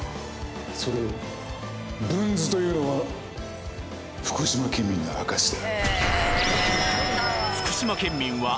それを「ぶんず」と言うのは福島県民の証だ。